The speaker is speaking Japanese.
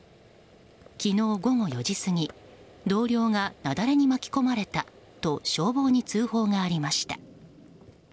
昨日午後４時過ぎ同僚が雪崩に巻き込まれたと消防に通報がありました。